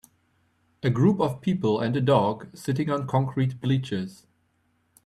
A group of people and a dog sitting on concrete bleachers.